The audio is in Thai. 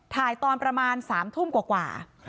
ถ่ายตอนประมาณสามุ้นกว่า